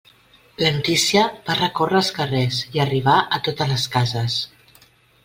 La notícia va recórrer els carrers i arribà a totes les cases.